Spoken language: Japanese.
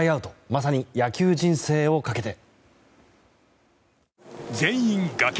まさに野球人生をかけて。